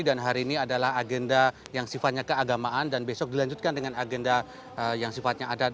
dan hari ini adalah agenda yang sifatnya keagamaan dan besok dilanjutkan dengan agenda yang sifatnya adat